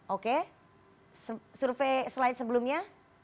oke survei slide sebelumnya